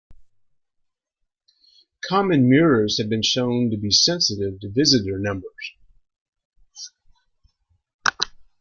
Common murres have been shown to be sensitive to visitor numbers.